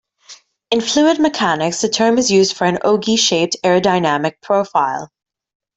In fluid mechanics, the term is used for an ogee-shaped aerodynamic profile.